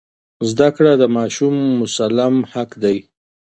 زده کړه د ماشوم مسلم حق دی.